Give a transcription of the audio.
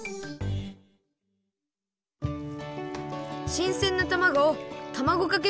しんせんなたまごをたまごかけ